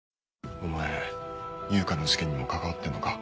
お前悠香の事件にも関わってんのか？